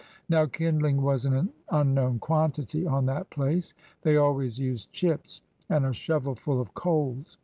Now kindling was an unknown quantity on that place. They always used chips and a shovelful of coals.